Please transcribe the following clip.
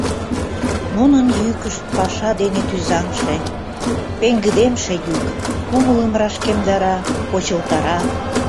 Нунын йӱкышт — паша дене тӱзаҥше, пеҥгыдемше йӱк, кумылым рашкемдара, почылтара.